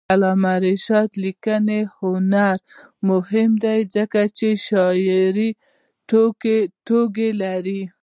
د علامه رشاد لیکنی هنر مهم دی ځکه چې شعري ټولګې لري.